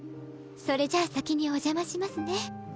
それじゃあ先にお邪魔しますね。